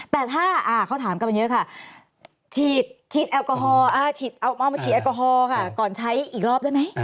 แต่ถ้าเขาถามกันมาเยอะค่ะฉีดแอลกอฮอลเอามาฉีดแอลกอฮอล์ค่ะก่อนใช้อีกรอบได้ไหม